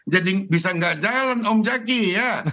jadi bisa nggak jalan om zaky ya